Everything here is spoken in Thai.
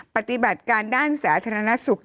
ปฏิบัติการด้านสาธารณสุข